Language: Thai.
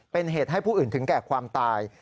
เป็นเหตุให้ผู้อื่นถึงแก่ความตาย